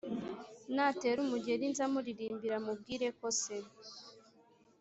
natera umugeri nza muririmbira mubwireko se